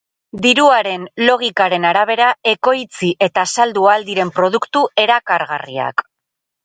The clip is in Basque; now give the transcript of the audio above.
Diruaren logikaren arabera ekoitzi eta saldu ahal diren produktu erakargarriak.